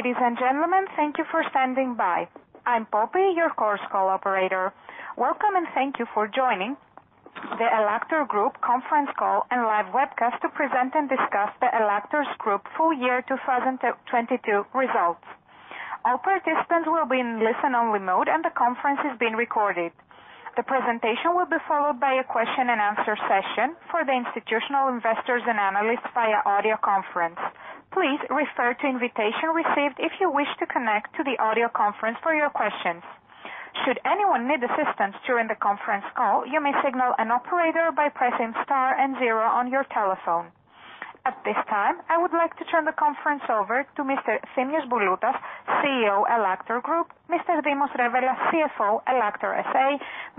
Ladies and gentlemen, thank you for standing by. I'm Poppy, your course call operator. Welcome, and thank you for joining the ELLAKTOR Group conference call and live webcast to present and discuss the ELLAKTOR Group's full year 2022 results. All participants will be in listen only mode, and the conference is being recorded. The presentation will be followed by a question and answer session for the institutional investors and analysts via audio conference. Please refer to invitation received if you wish to connect to the audio conference for your questions. Should anyone need assistance during the conference call, you may signal an operator by pressing star and zero on your telephone. At this time, I would like to turn the conference over to Mr. Thimios Bouloutas, CEO, ELLAKTOR Group, Mr. Dimos Revelas, CFO, ELLAKTOR SA,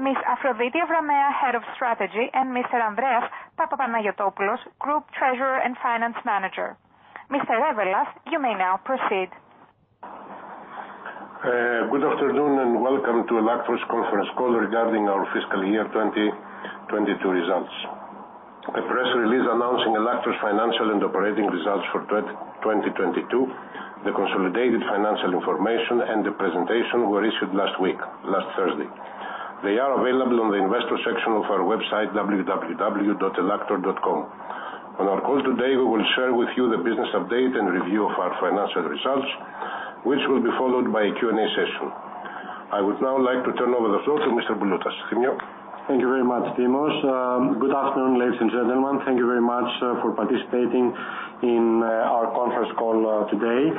Ms. Aphrodite Avramea, Head of Strategy, and Mr. Andreas Papanagiotopoulos, Group Treasurer and Finance Manager. Mr. Revelas, you may now proceed. Good afternoon, welcome to ELLAKTOR's conference call regarding our fiscal year 2022 results. A press release announcing ELLAKTOR's financial and operating results for 2022, the consolidated financial information, and the presentation were issued last week, last Thursday. They are available on the investor section of our website, www.ellaktor.com. On our call today, we will share with you the business update and review of our financial results, which will be followed by a Q&A session. I would now like to turn over the floor to Mr. Bouloutas Thimios. Thank you very much, Thimios. Good afternoon, ladies and gentlemen. Thank you very much for participating in our conference call today.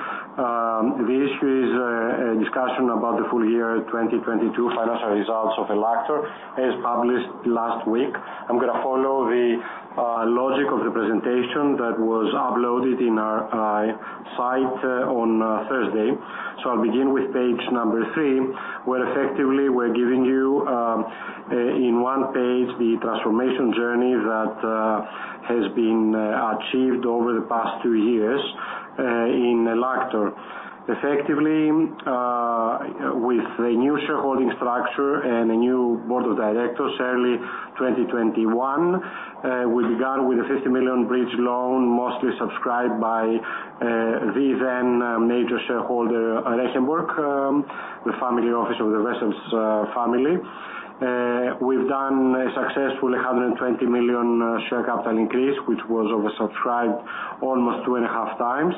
The issue is a discussion about the full year 2022 financial results of ELLAKTOR, as published last week. I'm gonna follow the logic of the presentation that was uploaded in our site on Thursday. I'll begin with page number three, where effectively we're giving you in one page the transformation journey that has been achieved over the past two years in ELLAKTOR. Effectively, with a new shareholding structure and a new Board of Directors early 2021, we began with a 50 million bridge loan, mostly subscribed by the then major shareholder, Reggeborgh, the family office of the Wessels family. We've done successfully 120 million share capital increase, which was oversubscribed almost 2.5 times.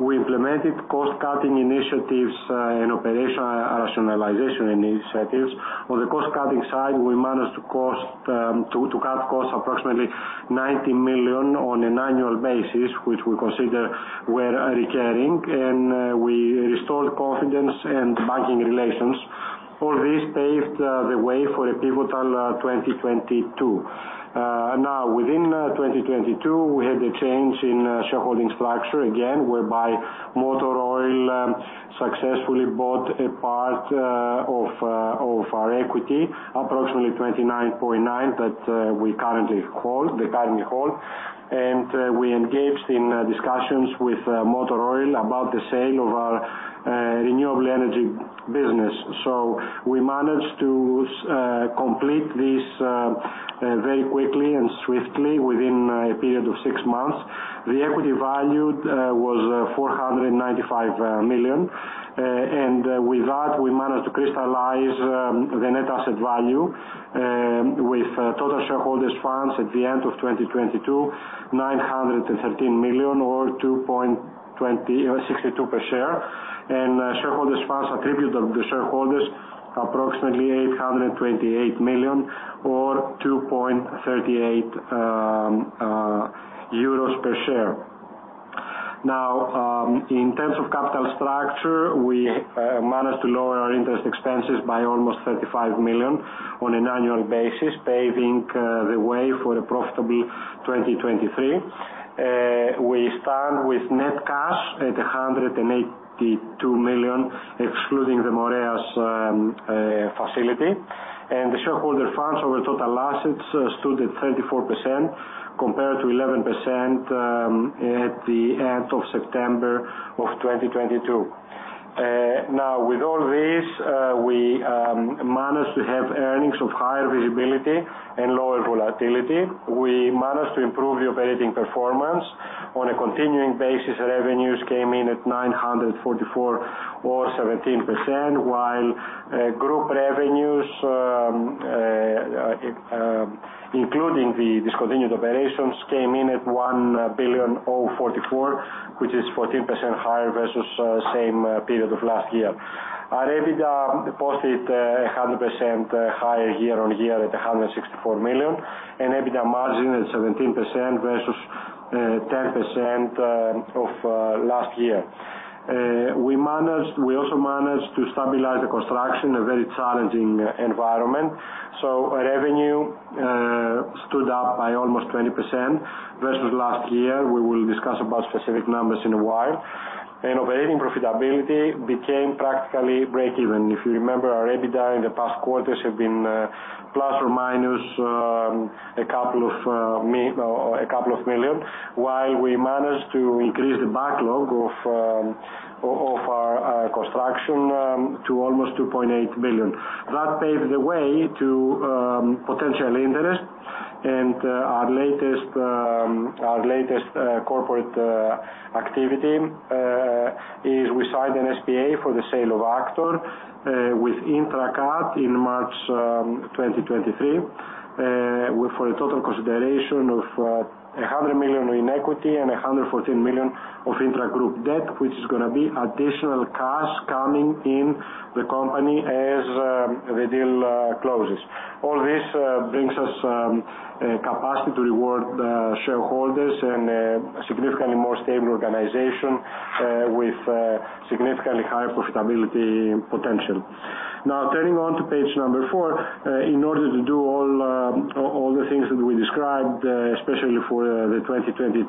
We implemented cost-cutting initiatives and operational rationalization initiatives. On the cost-cutting side, we managed to cut costs approximately 90 million on an annual basis, which we consider were recurring, and we restored confidence in banking relations. All this paved the way for a pivotal 2022. Now, within 2022, we had a change in shareholding structure again, whereby Motor Oil successfully bought a part of our equity, approximately 29.9, that we currently hold, they currently hold. We engaged in discussions with Motor Oil about the sale of our renewable energy business. We managed to complete this very quickly and swiftly within a period of 6 months. The equity valued was 495 million. With that, we managed to crystallize the net asset value with total shareholders funds at the end of 2022, 913 million or 2.62 per share. Shareholders funds attributed to the shareholders approximately 828 million or 2.38 euros per share. Now, in terms of capital structure, we managed to lower our interest expenses by almost 35 million on an annual basis, paving the way for a profitable 2023. We stand with net cash at 182 million, excluding the MOREAS facility. The shareholder funds over total assets stood at 34% compared to 11% at the end of September of 2022. Now, with all this, we managed to have earnings of higher visibility and lower volatility. We managed to improve the operating performance. On a continuing basis, revenues came in at 944 million or 17%, while group revenues, including the discontinued operations, came in at 1,044 million, which is 14% higher versus same period of last year. Our EBITDA posted 100% higher year-on-year at 164 million, and EBITDA margin at 17% versus 10% of last year. We also managed to stabilize the construction, a very challenging environment. Our revenue stood up by almost 20% versus last year. We will discuss about specific numbers in a while. Operating profitability became practically break even. If you remember, our EBITDA in the past quarters have been plus or minus a couple of million, while we managed to increase the backlog of our construction to almost 2.8 billion. That paved the way to potential interest. Our latest corporate activity is we signed an SPA for the sale of AKTOR with INTRAKAT in March 2023 for a total consideration of 100 million in equity and 114 million of intragroup debt, which is gonna be additional cash coming in the company as the deal closes. All this brings us capacity to reward shareholders and significantly more stable organization with significantly higher profitability potential. Turning on to page four, in order to do all the things that we described, especially for 2022,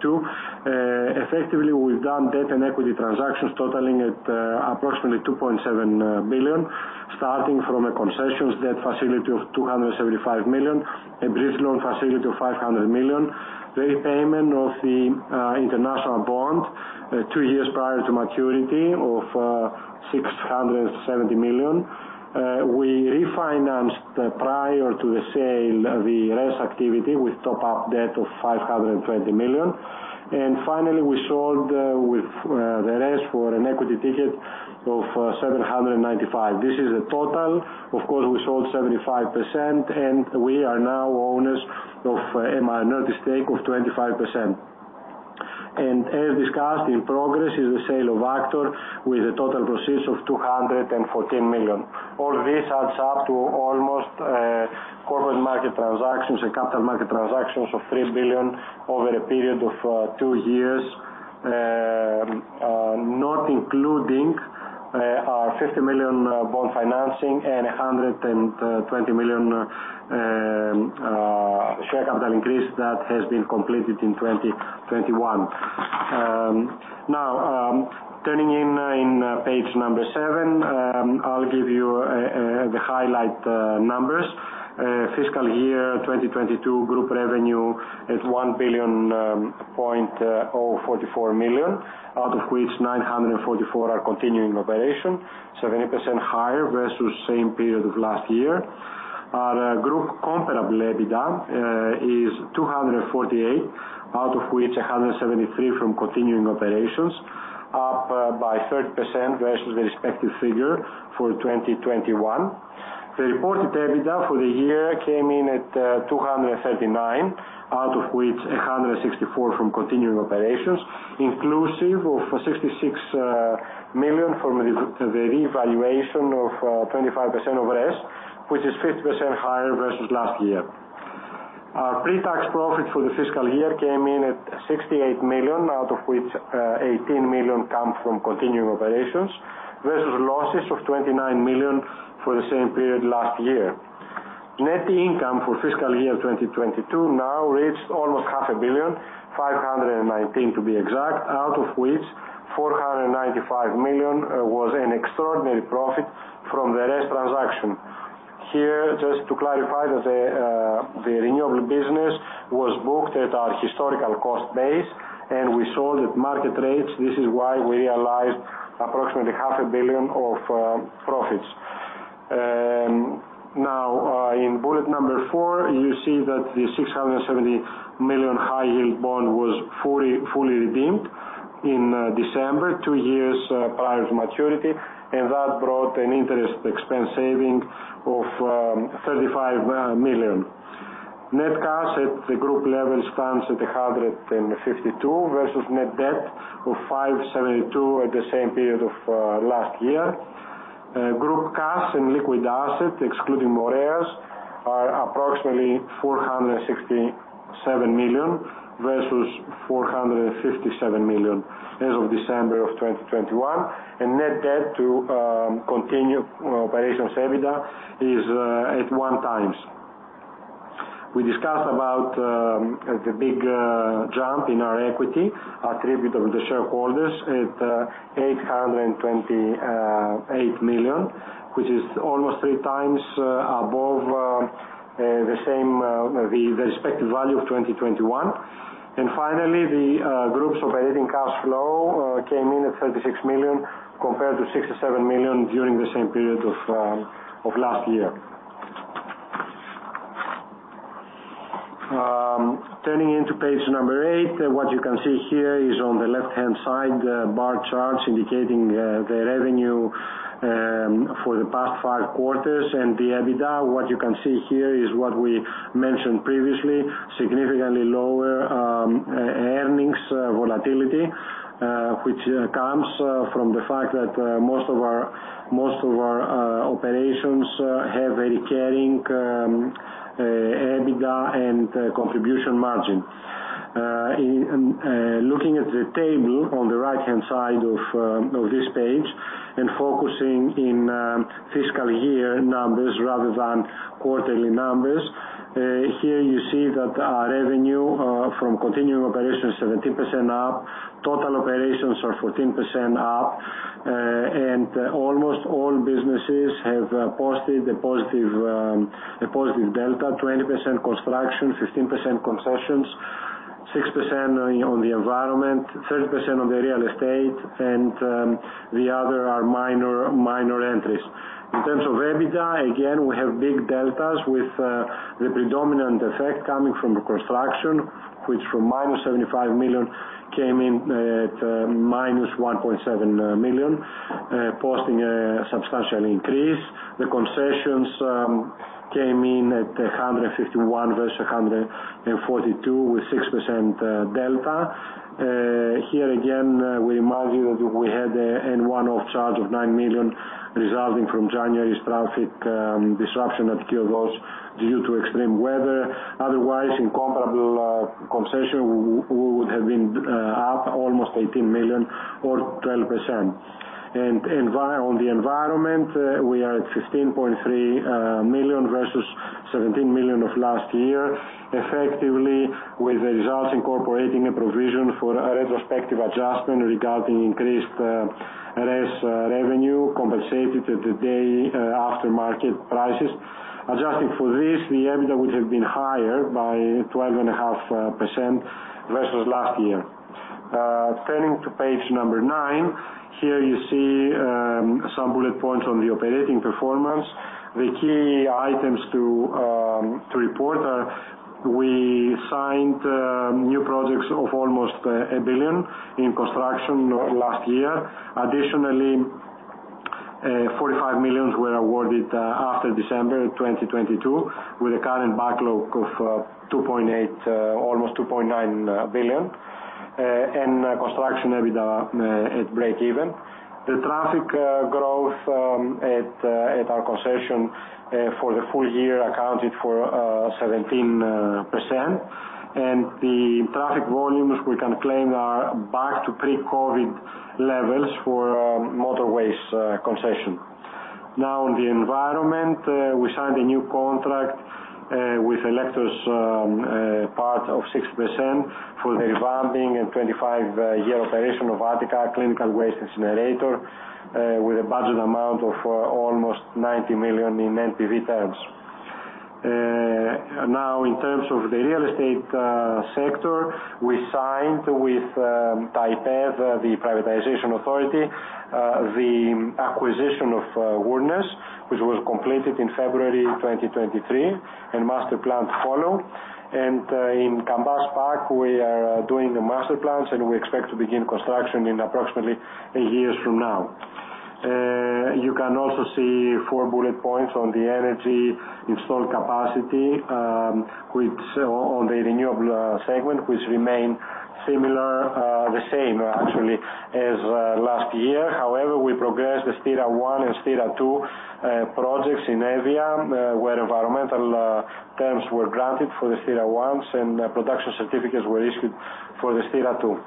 effectively, we've done debt and equity transactions totaling at approximately 2.7 billion, starting from a concessions debt facility of 275 million, a bridge loan facility of 500 million, the repayment of the international bond two years prior to maturity of 670 million. We refinanced prior to the sale the RES activity with top up debt of 520 million. Finally, we sold with the RES for an equity ticket of 795 million. This is a total. Of course, we sold 75%, and we are now owners of a minority stake of 25%. As discussed, in progress is the sale of AKTOR with a total proceeds of EUR 214 million. All this adds up to almost corporate market transactions and capital market transactions of EUR 3 billion over a period of two years, not including our EUR 50 million bond financing and 120 million share capital increase that has been completed in 2021. Now, turning in page number seven, I'll give you the highlight numbers. Fiscal year 2022 group revenue at 1 billion, 44 million, out of which 944 million are continuing operation, 70% higher versus same period of last year. Our group comparable EBITDA is 248, out of which 173 from continuing operations, up by 30% versus the respective figure for 2021. The reported EBITDA for the year came in at 239, out of which 164 from continuing operations, inclusive of 66 million from the revaluation of 25% of RES, which is 50% higher versus last year. Our pre-tax profit for the fiscal year came in at 68 million, out of which 18 million come from continuing operations versus losses of 29 million for the same period last year. Net income for fiscal year 2022 now reached almost half a billion, 519 to be exact, out of which 495 million was an extraordinary profit from the RES transaction. Here, just to clarify that the renewable business was booked at our historical cost base, and we sold at market rates. This is why we realized approximately half a billion EUR of profits. Now, in bullet number four, you see that the 670 million high yield bond was fully redeemed in December, two years prior to maturity, and that brought an interest expense saving of 35 million. Net cash at the group level stands at 152 versus net debt of 572 at the same period of last year. Group cash and liquid assets, excluding MOREAS, are approximately 467 million versus 457 million as of December of 2021, and net debt to continue operations EBITDA is at 1 times. We discussed about the big jump in our equity attributable to shareholders at 828 million, which is almost three times above the same the respective value of 2021. Finally, the group's operating cash flow came in at 36 million compared to 67 million during the same period of last year. Turning into page number eight, what you can see here is on the left-hand side, bar charts indicating the revenue for the past five quarters. The EBITDA, what you can see here is what we mentioned previously, significantly lower earnings volatility, which comes from the fact that most of our operations have very caring EBITDA and contribution margin. In looking at the table on the right-hand side of this page and focusing in fiscal year numbers rather than quarterly numbers, here you see that our revenue from continuing operations 70% up, total operations are 14% up, and almost all businesses have posted a positive delta: 20% construction, 15% concessions, 6% on the environment, 30% on the real estate, and the other are minor entries. In terms of EBITDA, again, we have big deltas with the predominant effect coming from the construction, which from -75 million came in at -1.7 million, posting a substantial increase. The concessions came in at 151 versus 142, with 6% delta. Here again, we remind you that we had a N1 off charge of 9 million resulting from January's traffic disruption at KIOS due to extreme weather. Otherwise, in comparable concession, we would have been up almost 18 million or 12%. On the environment, we are at 16.3 million versus 17 million of last year, effectively with the results incorporating a provision for a retrospective adjustment regarding increased less revenue compensated to today after market prices. Adjusting for this, the EBITDA would have been higher by 12.5% versus last year. Turning to page number nine, here you see some bullet points on the operating performance. The key items to report are we signed new projects of almost 1 billion in construction last year. Additionally, 45 million were awarded after December 2022, with a current backlog of 2.8 billion, almost 2.9 billion, and construction EBITDA at breakeven. The traffic growth at our concession for the full year accounted for 17%, and the traffic volumes we can claim are back to pre-COVID levels for motorways concession. Now on the environment, we signed a new contract with HELECTOR, part of 6% for the revamping and 25-year operation of Attica Clinical Waste Incinerator, with a budget amount of almost 90 million in NPV terms. Now in terms of the real estate sector, we signed with TAIPED, the privatization authority, the acquisition of Warners, which was completed in February 2023, and master plan to follow. In CAMBAS PARK, we are doing the master plans, and we expect to begin construction in approximately eight years from now. You can also see four bullet points on the energy installed capacity, which on the renewable segment, which remain similar, the same actually as last year. However, we progressed the STIRA ONE & STIRA TWO projects in EVIA, where environmental terms were granted for the STIRA ONE and production certificates were issued for the STIRA TWO.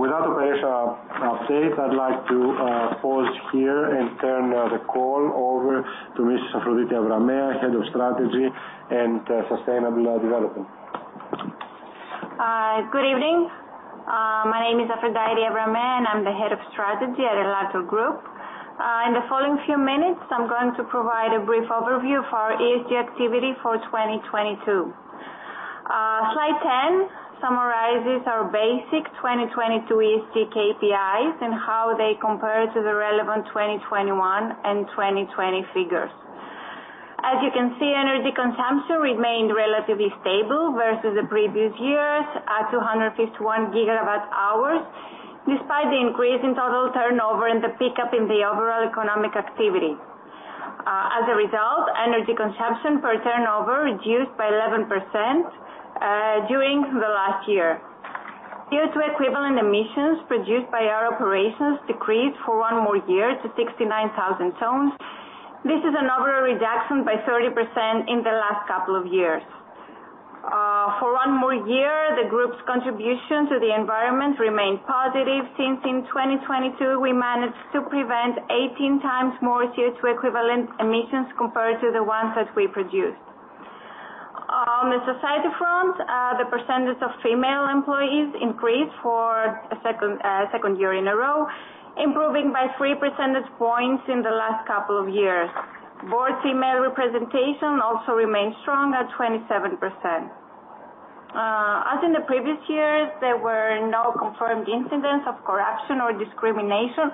With that operational update, I'd like to pause here and turn the call over to Ms. Aphrodite Avramea, Head of Strategy and Sustainable Development. Good evening. My name is Aphrodite Avramea, and I'm the Head of Strategy at ELLAKTOR Group. In the following few minutes, I'm going to provide a brief overview for our ESG activity for 2022. Slide 10 summarizes our basic 2022 ESG KPIs and how they compare to the relevant 2021 and 2020 figures. As you can see, energy consumption remained relatively stable versus the previous years at 251 GWh, despite the increase in total turnover and the pickup in the overall economic activity. As a result, energy consumption per turnover reduced by 11% during the last year. CO₂ equivalent emissions produced by our operations decreased for one more year to 69,000 tons. This is an overall reduction by 30% in the last couple of years. For one more year, the group's contribution to the environment remained positive since in 2022, we managed to prevent 18 times more CO₂ equivalent emissions compared to the ones that we produced. On the society front, the percentage of female employees increased for a second year in a row, improving by 3 percentage points in the last couple of years. Board female representation also remained strong at 27%. As in the previous years, there were no confirmed incidents of corruption or discrimination,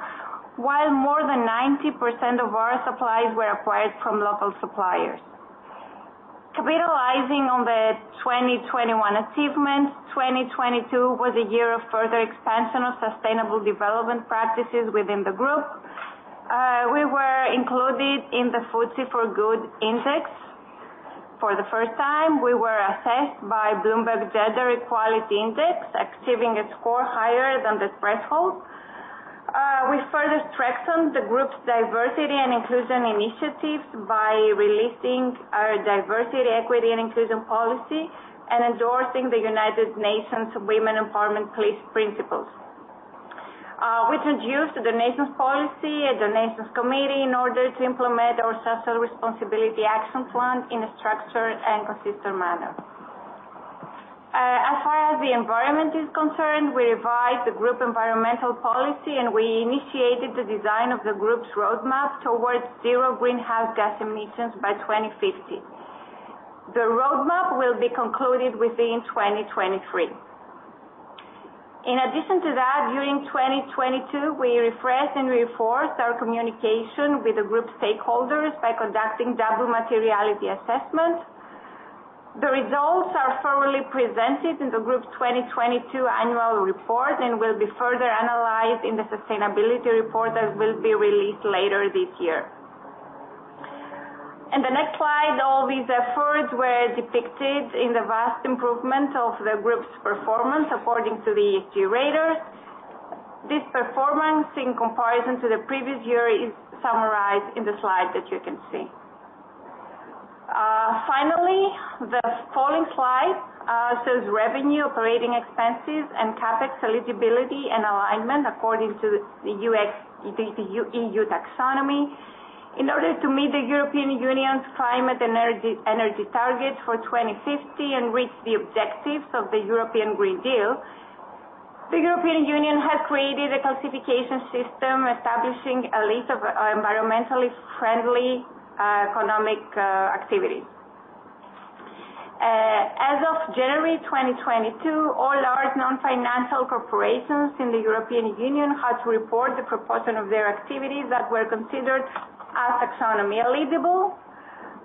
while more than 90% of our supplies were acquired from local suppliers. Capitalizing on the 2021 achievements, 2022 was a year of further expansion of sustainable development practices within the group. We were included in the FTSE4Good Index. For the first time, we were assessed by Bloomberg Gender-Equality Index, achieving a score higher than the threshold. We further strengthened the group's diversity and inclusion initiatives by releasing our diversity, equity, and inclusion policy and endorsing the United Nations Women's Empowerment Principles. We introduced the donations policy, a donations committee in order to implement our social responsibility action plan in a structured and consistent manner. As far as the environment is concerned, we revised the group environmental policy, and we initiated the design of the group's roadmap towards zero greenhouse gas emissions by 2050. The roadmap will be concluded within 2023. In addition to that, during 2022, we refreshed and reinforced our communication with the group stakeholders by conducting double materiality assessment. The results are thoroughly presented in the group's 2022 annual report, and will be further analyzed in the sustainability report that will be released later this year. In the next slide, all these efforts were depicted in the vast improvement of the group's performance according to the ESG Radar. This performance in comparison to the previous year is summarized in the slide that you can see. Finally, the following slide says revenue, operating expenses, and CapEx eligibility and alignment according to the EU taxonomy. In order to meet the European Union's climate energy target for 2050 and reach the objectives of the European Green Deal, the European Union has created a classification system establishing a list of environmentally friendly economic activities. As of January 2022, all large non-financial corporations in the European Union had to report the proportion of their activities that were considered as taxonomy eligible.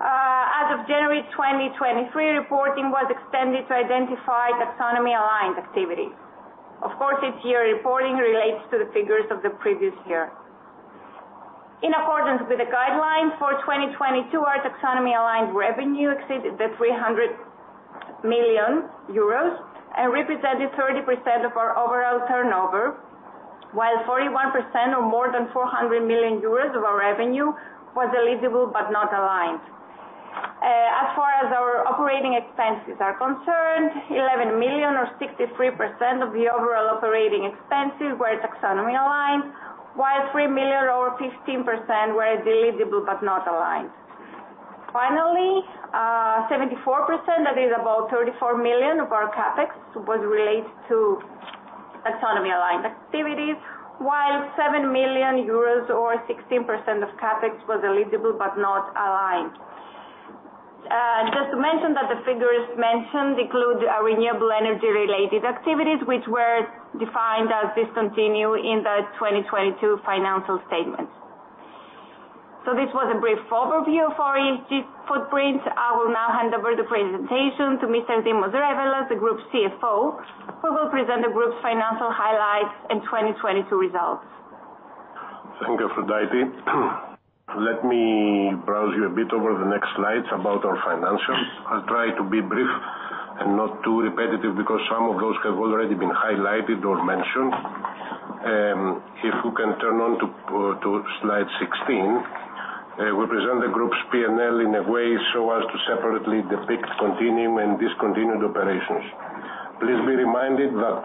As of January 2023, reporting was extended to identify taxonomy aligned activities. Of course, each year, reporting relates to the figures of the previous year. In accordance with the guidelines for 2022, our taxonomy aligned revenue exceeded 300 million euros and represented 30% of our overall turnover, while 41% or more than 400 million euros of our revenue was eligible but not aligned. As far as our operating expenses are concerned, 11 million or 63% of the overall operating expenses were taxonomy aligned, while 3 million or 15% were eligible but not aligned. Finally, 74%, that is about 34 million of our CapEx was related to taxonomy aligned activities, while 7 million euros or 16% of CapEx was eligible but not aligned. Just to mention that the figures mentioned include our renewable energy related activities, which were defined as discontinued in the 2022 financial statements. This was a brief overview of our ESG footprint. I will now hand over the presentation to Mr. Dimos Revelas, the group's CFO, who will present the group's financial highlights and 2022 results. Thank you, Aphrodite. Let me browse you a bit over the next slides about our financials. I'll try to be brief and not too repetitive because some of those have already been highlighted or mentioned. If you can turn on to slide 16, we present the group's P&L in a way so as to separately depict continuing and discontinued operations. Please be reminded that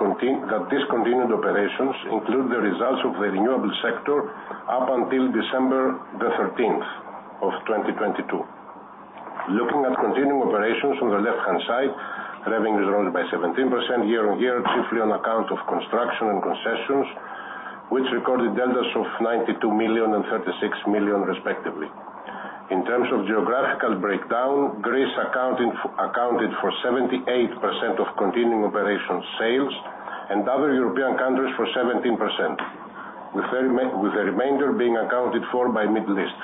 discontinued operations include the results of the renewable sector up until December the 13th of 2022. Looking at continuing operations on the left-hand side, revenues rose by 17% year-on-year, chiefly on account of construction and concessions, which recorded deltas of 92 million and 36 million respectively. In terms of geographical breakdown, Greece accounted for 78% of continuing operations sales and other European countries for 17%, with the remainder being accounted for by Middle East.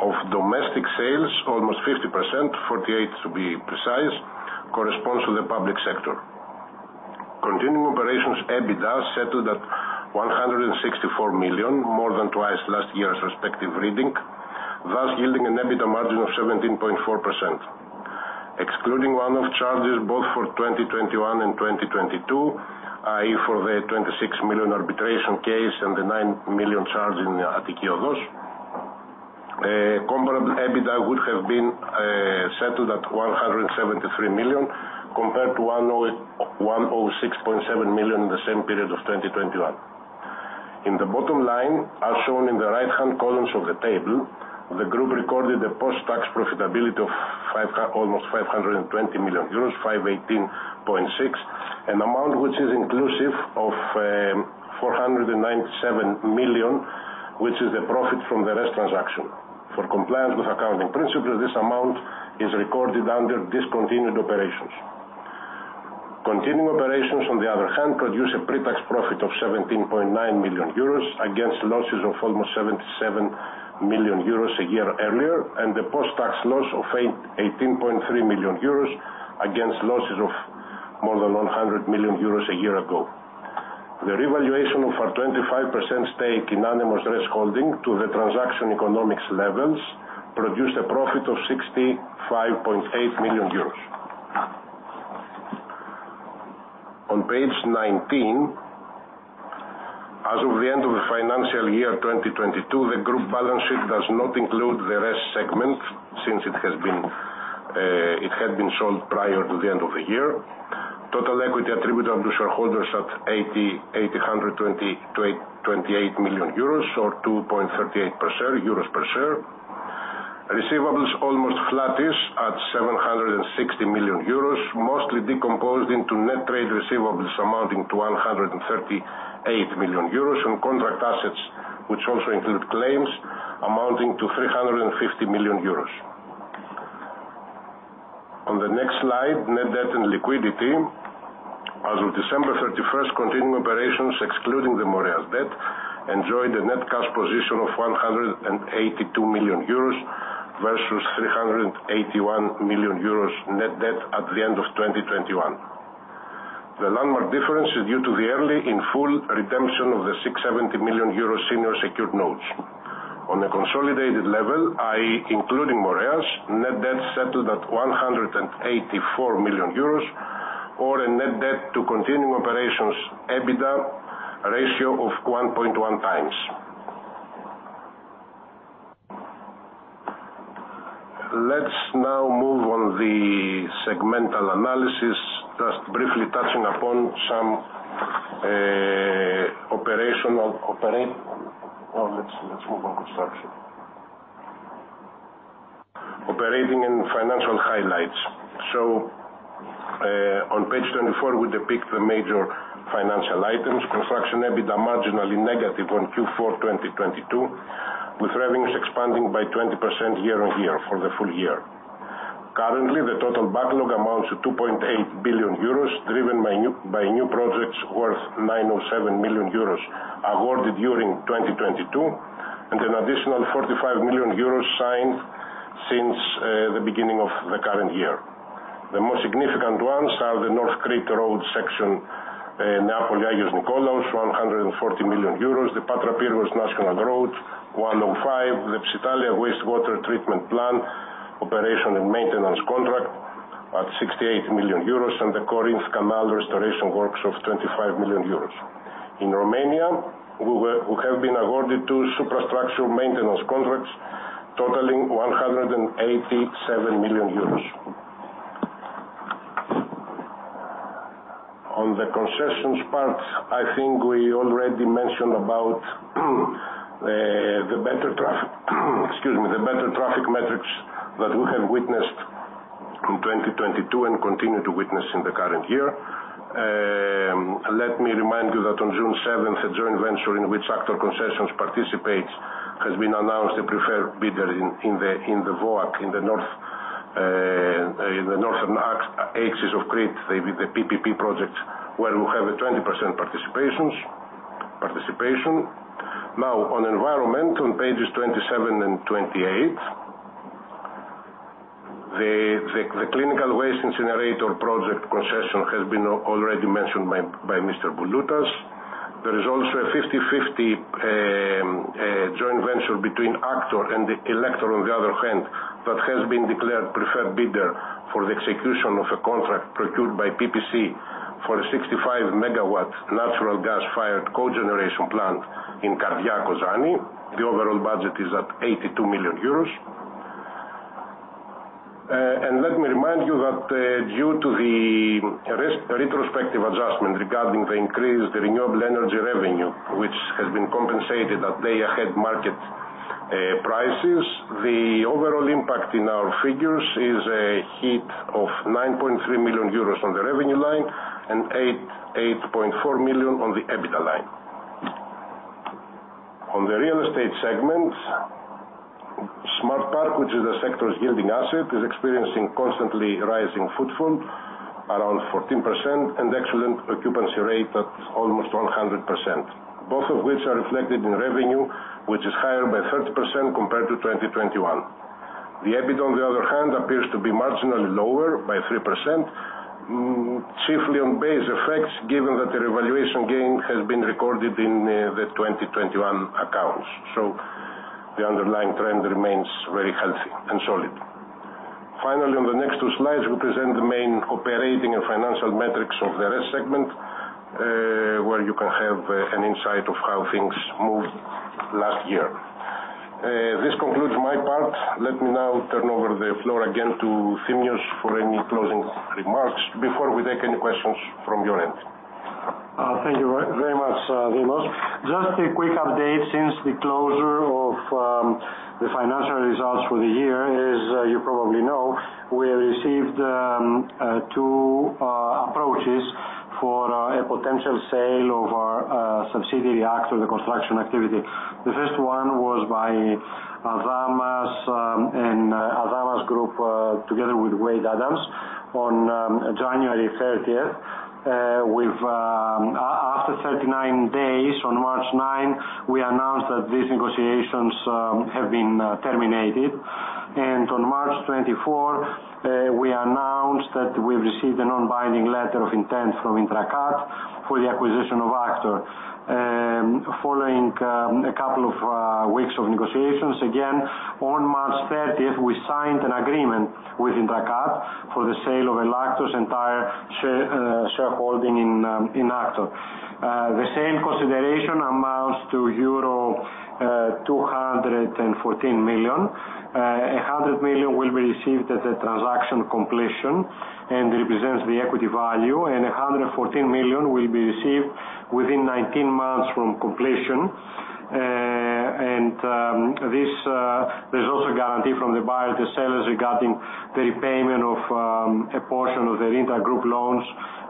Of domestic sales, almost 50%, 48 to be precise, corresponds to the public sector. Continuing operations EBITDA settled at 164 million, more than twice last year's respective reading, thus yielding an EBITDA margin of 17.4%. Excluding one-off charges both for 2021 and 2022, i.e., for the 26 million arbitration case and the 9 million charge in ATTIKI ODOS. Comparable EBITDA would have been settled at 173 million, compared to 106.7 million in the same period of 2021. In the bottom line, as shown in the right-hand columns of the table, the group recorded a post-tax profitability of almost 520 million euros, 518.6 million, an amount which is inclusive of 497 million, which is the profit from the RES transaction. For compliance with accounting principles, this amount is recorded under discontinued operations. Continuing operations, on the other hand, produce a pre-tax profit of 17.9 million euros against losses of almost 77 million euros a year earlier, and a post-tax loss of 18.3 million euros against losses of more than 100 million euros a year ago. The revaluation of our 25% stake in ANEMOS RES HOLDINGS to the transaction economics levels produced a profit of 65.8 million euros. On page 19, as of the end of the financial year 2022, the group balance sheet does not include the RES segment, since it had been sold prior to the end of the year. Total equity attributable to shareholders at 828 million euros or 2.38 per share. Receivables almost flattish at 760 million euros, mostly decomposed into net trade receivables amounting to 138 million euros, and contract assets, which also include claims amounting to 350 million euros. On the next slide, net debt and liquidity. As of December 31st, continuing operations excluding the MOREAS debt, enjoyed a net cash position of 182 million euros versus 381 million euros net debt at the end of 2021. The landmark difference is due to the early in full redemption of the 670 million euro senior secured notes. On a consolidated level, i.e., including MOREAS, net debt settled at 184 million euros, or a net debt to continuing operations EBITDA ratio of 1.1x. Let's now move on the segmental analysis, just briefly touching upon some operational. Well, let's move on construction. Operating and financial highlights. On page 24, we depict the major financial items. Construction EBITDA marginally negative on Q4 2022, with revenues expanding by 20% year-on-year for the full year. Currently, the total backlog amounts to EUR 2.8 billion, driven by new projects worth EUR 9 million or EUR 7 million awarded during 2022, and an additional EUR 45 million signed since the beginning of the current year. The most significant ones are the North Crete Road section, Neapoli-Agios Nikolaos, EUR 140 million, the Patra-Pyrgos National Road, EUR 105 million, the Psyttalia Wastewater Treatment Plant operation and maintenance contract at EUR 68 million, and the Corinth Canal restoration works of EUR 25 million. In Romania, we have been awarded two superstructure maintenance contracts totaling EUR 187 million. On the concessions part, I think we already mentioned about the better traffic excuse me, the better traffic metrics that we have witnessed in 2022 and continue to witness in the current year. Let me remind you that on June 7th, a joint venture in which AKTOR Concessions participates, has been announced a preferred bidder in the VOAK, the Northern Road Axis of Crete, the PPP project, where we have a 20% participation. On environment, on pages 27 and 28. The clinical waste incinerator project concession has been already mentioned by Mr. Bouloutas. There is also a 50/50 joint venture between AKTOR and HELECTOR on the other hand, that has been declared preferred bidder for the execution of a contract procured by PPC for a 65 MW natural gas-fired cogeneration plant in KARDITSA and KOZANI. The overall budget is at EUR 82 million. Let me remind you that due to the retrospective adjustment regarding the increased renewable energy revenue, which has been compensated at day-ahead market prices, the overall impact in our figures is a hit of 9.3 million euros on the revenue line and 8.4 million on the EBITDA line. On the real estate segment, Smart Park, which is the sector's yielding asset, is experiencing constantly rising footfall, around 14%, and excellent occupancy rate at almost 100%, both of which are reflected in revenue, which is higher by 30% compared to 2021. The EBIT, on the other hand, appears to be marginally lower by 3%, chiefly on base effects, given that the revaluation gain has been recorded in the 2021 accounts. The underlying trend remains very healthy and solid. On the next two slides, we present the main operating and financial metrics of the RES segment, where you can have an insight of how things moved last year. This concludes my part. Let me now turn over the floor again to Thimios for any closing remarks before we take any questions from your end. Thank you very much, Dimos. Just a quick update since the closure of the financial results for the year. As you probably know, we have received 2 approaches for a potential sale of our subsidiary Aktor, the construction activity. The first one was by Adamas Group, together with Wade Adams Hellas on January 30th. After 39 days, on March 9, we announced that these negotiations have been terminated. On March 24, we announced that we've received a non-binding letter of intent from INTRAKAT for the acquisition of Aktor. Following a couple of weeks of negotiations, again, on March 30th, we signed an agreement with INTRAKAT for the sale of Aktor's entire shareholding in Aktor. The sale consideration amounts to euro 214 million. 100 million will be received at the transaction completion, and represents the equity value, and 114 million will be received within 19 months from completion. There's also a guarantee from the buyer to sellers regarding the repayment of a portion of their intergroup loans,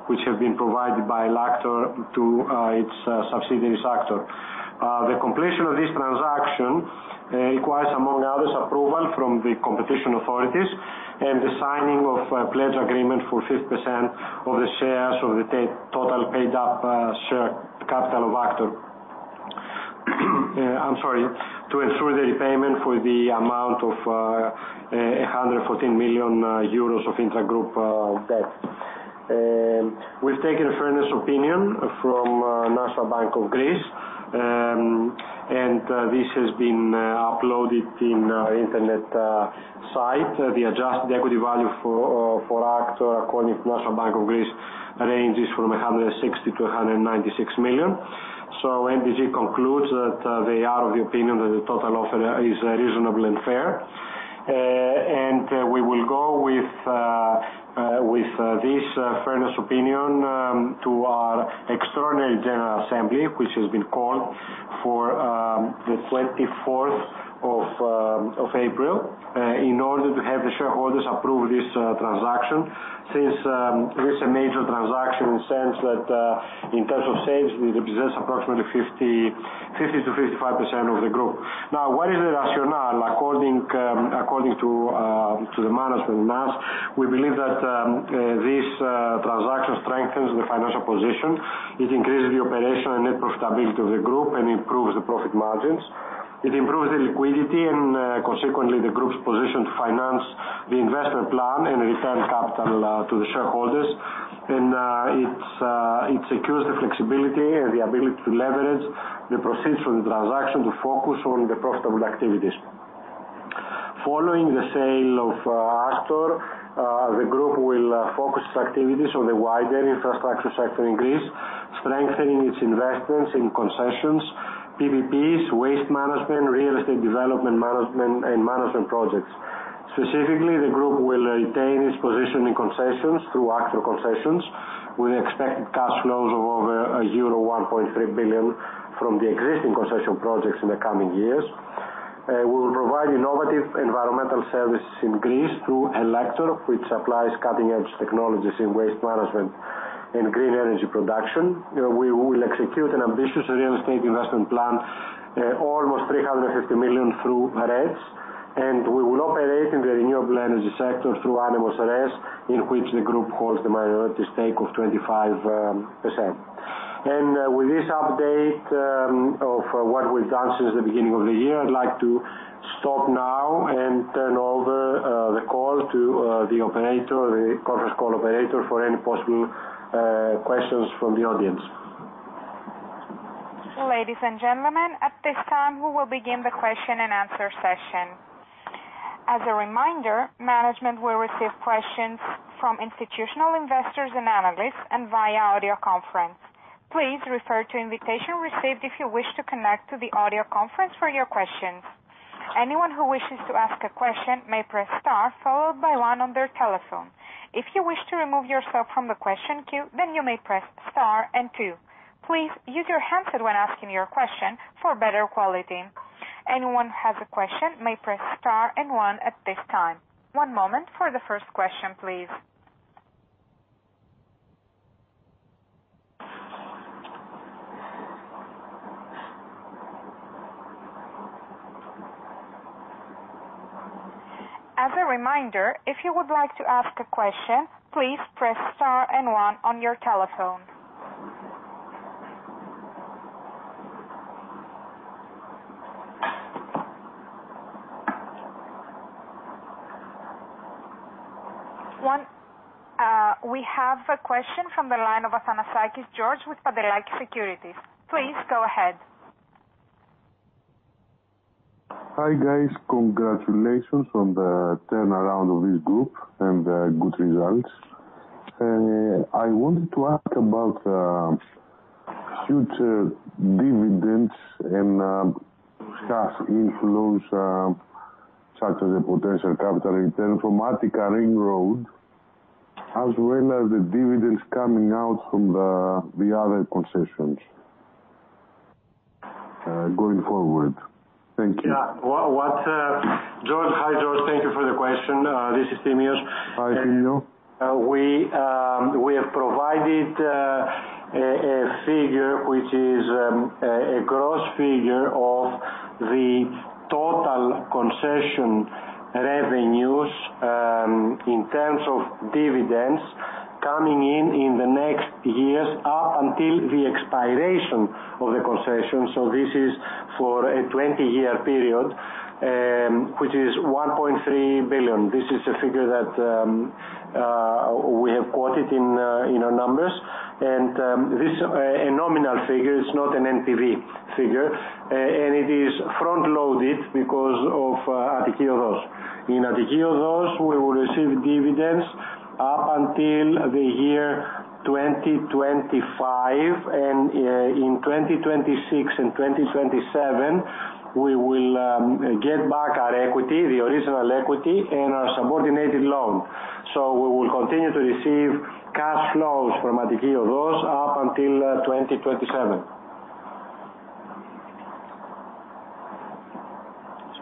which have been provided by AKTOR to its subsidiary AKTOR. The completion of this transaction requires, among others, approval from the competition authorities and the signing of a pledge agreement for 50% of the shares of the total paid-up share capital of AKTOR. I'm sorry. To ensure the repayment for the amount of 114 million euros of intragroup debt. We've taken a fairness opinion from National Bank of Greece, and this has been uploaded in our internet site. The adjusted equity value for AKTOR according to National Bank of Greece ranges from 160 million-196 million. NBG concludes that they are of the opinion that the total offer is reasonable and fair. We will go with this fairness opinion to our extraordinary general assembly, which has been called for the 24th of April in order to have the shareholders approve this transaction. Since it is a major transaction in the sense that in terms of sales, it represents approximately 50%-55% of the group. What is the rationale? According to the management, we believe that this transaction strengthens the financial position. It increases the operational and net profitability of the group and improves the profit margins. It improves the liquidity and, consequently, the group's position to finance the investment plan and return capital to the shareholders. It secures the flexibility and the ability to leverage the proceeds from the transaction to focus on the profitable activities. Following the sale of Aktor, the group will focus its activities on the wider infrastructure sector in Greece, strengthening its investments in concessions, PPPs, waste management, real estate development management and management projects. Specifically, the group will retain its position in concessions through AKTOR Concessions, with expected cash flows of over euro 1.3 billion from the existing concession projects in the coming years. We'll provide innovative environmental services in Greece through HELECTOR, which applies cutting-edge technologies in waste management and green energy production. We will execute an ambitious real estate investment plan, almost 350 million through REDS. We will operate in the renewable energy sector through ANEMOS RES, in which the group holds the minority stake of 25%. With this update of what we've done since the beginning of the year, I'd like to stop now and turn over the call to the operator, the conference call operator, for any possible questions from the audience. Ladies and gentlemen, at this time, we will begin the question-and-answer session. As a reminder, management will receive questions from institutional investors and analysts and via audio conference. Please refer to invitation received if you wish to connect to the audio conference for your questions. Anyone who wishes to ask a question may press star followed by one on their telephone. If you wish to remove yourself from the question queue, you may press star and two. Please use your handset when asking your question for better quality. Anyone who has a question may press star and one at this time. One moment for the first question, please. As a reminder, if you would like to ask a question, please press star and one on your telephone. We have a question from the line of Athanasakis George with Pantelakis Securities. Please go ahead. Hi, guys. Congratulations on the turnaround of this group and the good results. I wanted to ask about future dividends and cash inflows, such as the potential capital return from Attica Ring Road, as well as the dividends coming out from the other concessions going forward. Thank you. Yeah. What, George. Hi, George. Thank you for the question. This is Thimios. Hi, CEO. We have provided a gross figure of the total concession revenues in terms of dividends coming in in the next years up until the expiration of the concession. This is for a 20-year period, which is 1.3 billion. This is a figure that we have quoted in our numbers. This a nominal figure, it's not an NPV figure. It is front-loaded because of ATTIKI ODOS. In ATTIKI ODOS, we will receive dividends up until the year 2025. In 2026 and 2027, we will get back our equity, the original equity and our subordinated loan. We will continue to receive cash flows from ATTIKI ODOS up until 2027.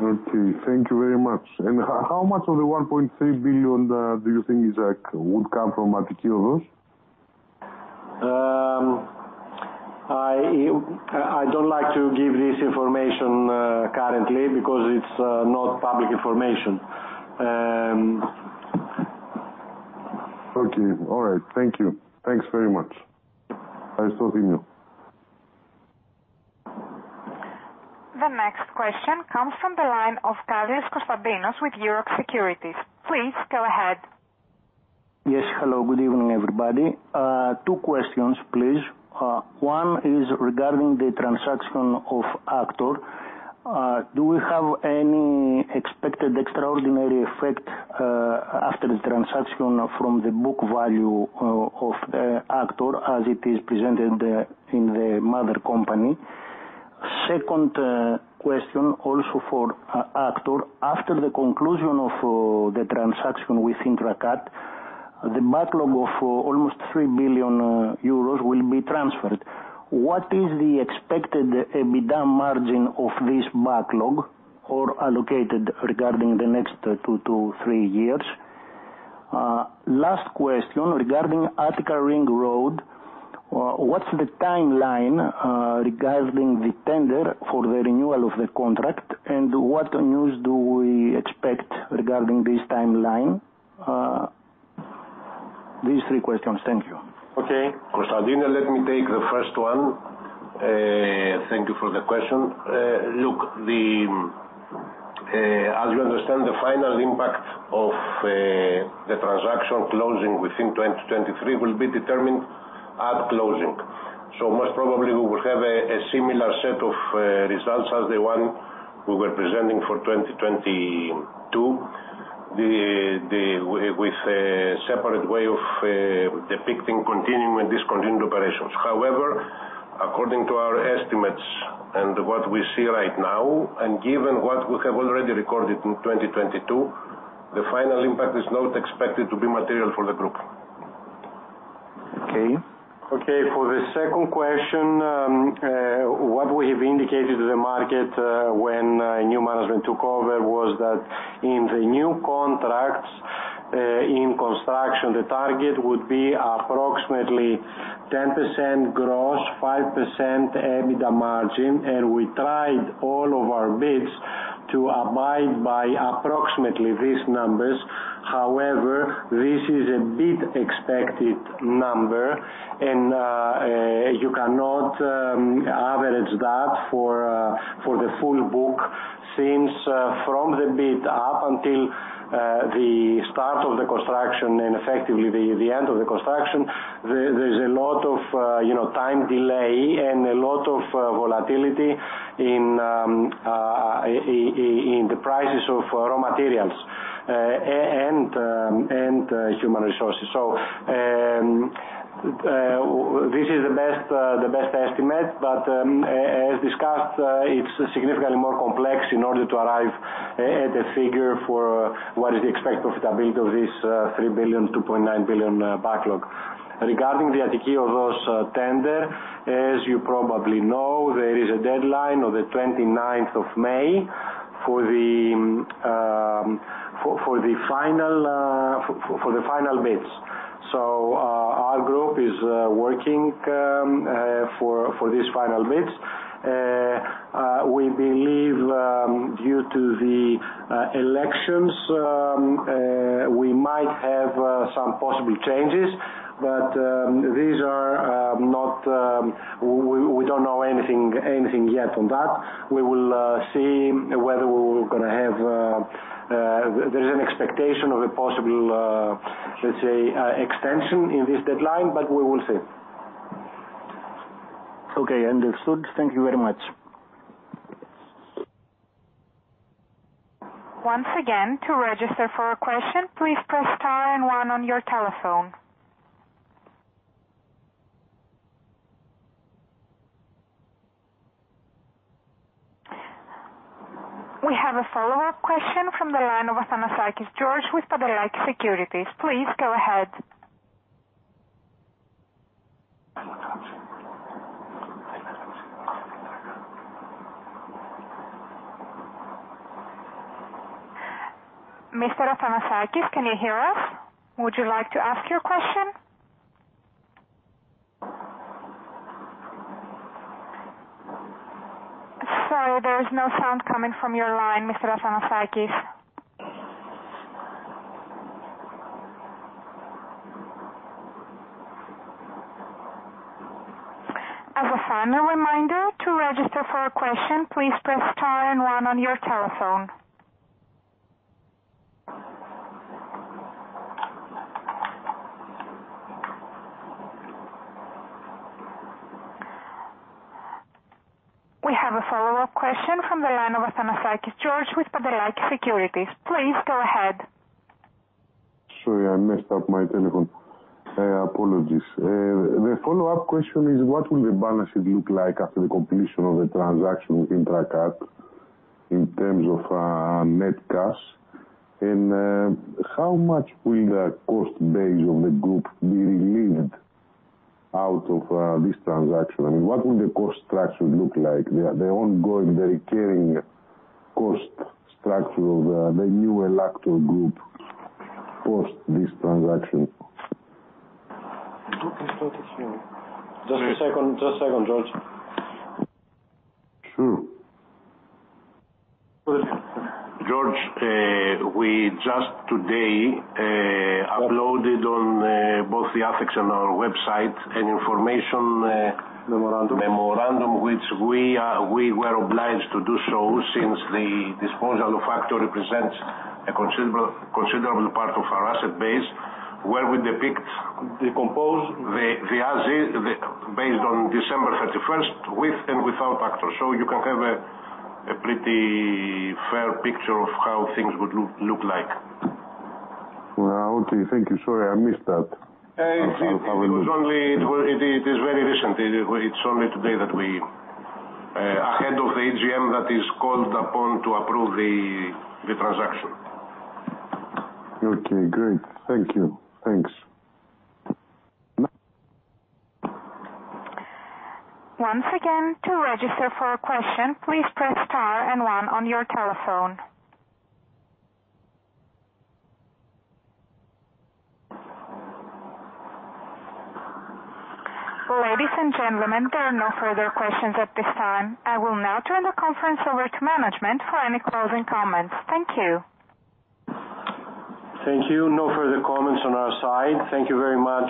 Okay, thank you very much. How, how much of the 1.3 billion, do you think is like would come from ATTIKI ODOS? I don't like to give this information, currently because it's not public information. Okay. All right. Thank you. Thanks very much. The next question comes from the line of Carlis Konstantinos with EUROXX Securities. Please go ahead. Yes, hello. Good evening, everybody, two questions, please. One is regarding the transaction of AKTOR. Do we have any expected extraordinary effect after the transaction from the book value of AKTOR as it is presented in the mother company? Second, question also for AKTOR. After the conclusion of the transaction with INTRAKAT, the backlog of almost 3 billion euros will be transferred. What is the expected EBITDA margin of this backlog or allocated regarding the next two to three years? Last question regarding Attica Ring Road. What's the timeline regarding the tender for the renewal of the contract? What news do we expect regarding this timeline? These three questions. Thank you. Okay. Konstantinos, let me take the first one. Thank you for the question. Look, as you understand, the final impact of the transaction closing within 2023 will be determined at closing. Most probably we will have a similar set of results as the one we were presenting for 2022. With a separate way of depicting continuing and discontinued operations. However, according to our estimates and what we see right now, and given what we have already recorded in 2022, the final impact is not expected to be material for the group. Okay. Okay, for the second question, what we have indicated to the market when new management took over was that in the new contracts in construction, the target would be approximately 10% gross, 5% EBITDA margin. We tried all of our bids to abide by approximately these numbers. However, this is a bit expected number. You cannot average that for the full book since from the bid up until the start of the construction and effectively the end of the construction, there's a lot of, you know, time delay and a lot of volatility in the prices of raw materials and human resources. This is the best estimate. As discussed, it's significantly more complex in order to arrive at a figure for what is the expected profitability of this, 3 billion, 2.9 billion backlog. Regarding the ATTIKI ODOS tender, as you probably know, there is a deadline of the 29th of May for the final bids. Our group is working for these final bids. We believe, due to the elections, we might have some possible changes, but these are not, we don't know anything yet on that. We will see whether we were gonna have, there's an expectation of a possible, let's say, extension in this deadline, but we will see. Okay, understood. Thank you very much. Once again, to register for a question, please press star and 1 on your telephone. We have a follow-up question from the line of Athanasakis George with Pantelakis Securities. Please go ahead. Mr. Athanasakis, can you hear us? Would you like to ask your question? Sorry, there is no sound coming from your line, Mr. Athanasakis. As a final reminder, to register for a question, please press star and one on your telephone. We have a follow-up question from the line of Athanasakis George with Pantelakis Securities. Please go ahead. Sorry, I messed up my telephone. Apologies. The follow-up question is, what will the balance sheet look like after the completion of the transaction with INTRAKAT in terms of net cash? How much will the cost base of the group be relieved? Out of this transaction. I mean, what will the cost structure look like? The ongoing, the recurring cost structure of the new ELLAKTOR Group post this transaction. Just a second, just a second, George. Sure. George, we just today uploaded on both the ethics and our website an information. Memorandum. memorandum, which we were obliged to do so since the disposal of AKTOR represents a considerable part of our asset base, where we depict- Decompose. the as is, based on December 31st with and without AKTOR. You can have a pretty fair picture of how things would look like. Okay. Thank you. Sorry, I missed that. I'll have a look. It is very recent. It's only today that we, ahead of AGM that is called upon to approve the transaction. Okay, great. Thank you. Thanks. Once again, to register for a question, please press star and one on your telephone. Ladies and gentlemen, there are no further questions at this time. I will now turn the conference over to management for any closing comments. Thank you. Thank you. No further comments on our side. Thank you very much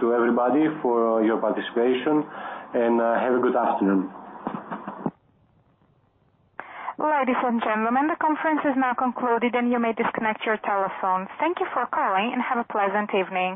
to everybody for your participation, and have a good afternoon. Ladies and gentlemen, the conference is now concluded and you may disconnect your telephone. Thank you for calling and have a pleasant evening.